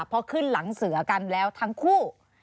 พอขึ้นหลังเสือกันแล้วทั้งคู่